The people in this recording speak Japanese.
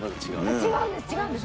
違うんです